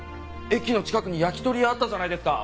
駅の近くに焼き鳥屋あったじゃないですか。